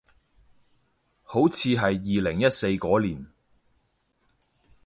好似係二零一四嗰年